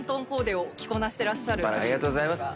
ありがとうございます。